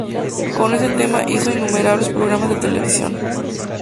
Con este tema hizo innumerables programas de televisión.